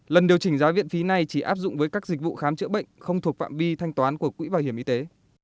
lần điều chỉnh giá viện phí này chỉ áp dụng với các dịch vụ khám chữa bệnh không thuộc phạm vi thanh toán của quỹ bảo hiểm y tế